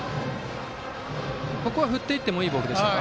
ここは振っていってもいいボールでしたか。